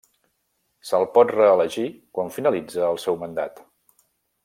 Se'ls pot reelegir quan finalitza el seu mandat.